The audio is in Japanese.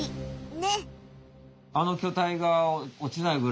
ねっ。